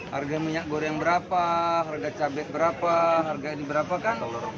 harga minyak goreng berapa harga cabai berapa harga ini berapa kan